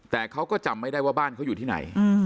แต่เขาก็จำไม่ได้ว่าบ้านเขาอยู่ที่ไหน